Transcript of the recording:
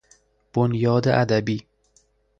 بنیاد ادبی